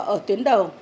ở tuyến đầu